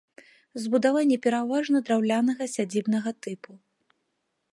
Збудаванні пераважна драўлянага сядзібнага тыпу.